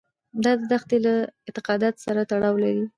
دا دښتې له اعتقاداتو سره تړاو لري.